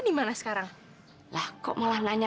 sampai jumpa di video selanjutnya